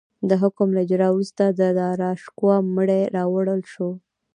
د حکم له اجرا وروسته د داراشکوه مړی راوړل شو.